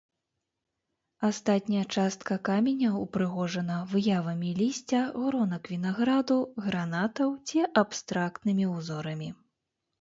Астатняя частка каменя ўпрыгожана выявамі лісця, гронак вінаграду, гранатаў ці абстрактнымі ўзорамі.